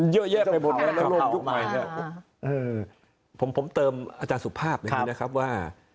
เยอะแยะไปหมดแล้วโลกยุคใหม่เนี่ยผมเติมอาจารย์สุภาพอย่างนี้นะครับว่า